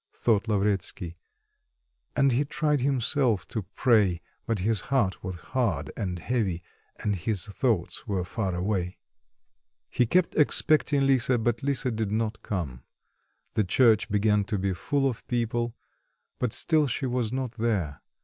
thought Lavretsky; and he tried himself to pray, but his heart was hard and heavy, and his thoughts were far away. He kept expecting Lisa, but Lisa did not come. The church began to be full of people; but still she was not there.